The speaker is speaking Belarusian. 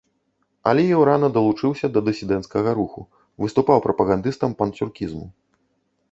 Аліеў рана далучыўся да дысідэнцкага руху, выступаў прапагандыстам панцюркізму.